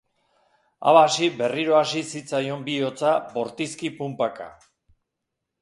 Abasi berriro hasi zitzaion bihotza bortizki punpaka.